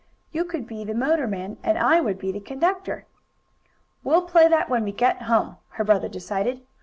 You could be the motorman and I Would be the conductor." "We'll play that when we get home," her brother decided.